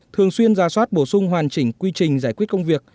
thường xuyên ra soát bổ sung hoàn chỉnh quy trình giải quyết công việc